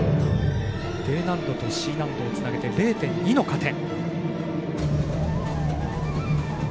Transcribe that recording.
Ｄ難度とＣ難度をつなげて０．２の加点。